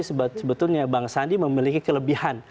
sebetulnya bang sandi memiliki kelebihan